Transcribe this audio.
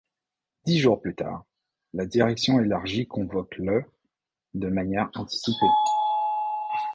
Dix jours plus tard, la direction élargie convoque le de manière anticipée.